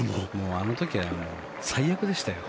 あの時は最悪でしたよ。